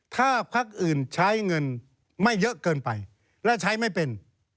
ถ้าพักอื่นใช้เงินไม่เยอะเกินไปและใช้ไม่เป็น